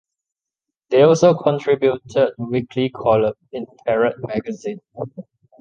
They also contributed a weekly column in "Parade" magazine.